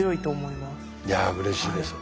いやうれしいです。